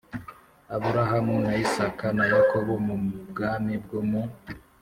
Aburahamu na Isaka na Yakobo mu bwami bwo mu